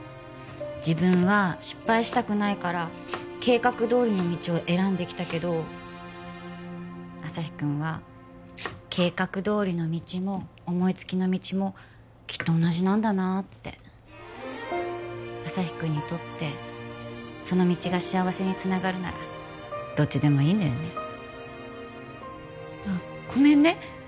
自分は失敗したくないから計画どおりの道を選んできたけど旭君は計画どおりの道も思いつきの道もきっと同じなんだなって旭君にとってその道が幸せにつながるならどっちでもいいのよねあっごめんね